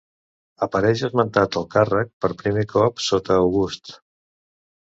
Apareix esmentat el càrrec per primer cop sota August.